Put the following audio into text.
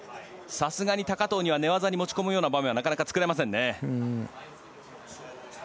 さすがに高藤には寝技に持ち込むような場面はなかなか作れませんね。